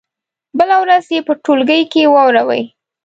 بله ورځ دې یې په ټولګي کې واوروي.